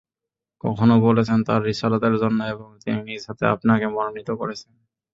কখনো বলেছেন, তাঁর রিসালাতের জন্য এবং তিনি নিজ হাতে আপনাকে মনোনীত করেছেন।